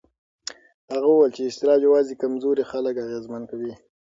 هغه وویل چې اضطراب یوازې کمزوري خلک اغېزمن کوي.